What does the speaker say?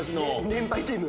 年配チーム